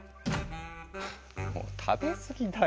もう食べ過ぎだよ